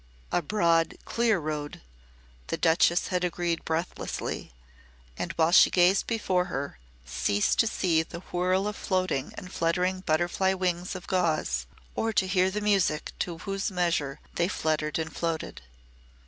"A broad, clear road," the Duchess had agreed breathlessly and, while she gazed before her, ceased to see the whirl of floating and fluttering butterfly wings of gauze or to hear the music to whose measure they fluttered and floated.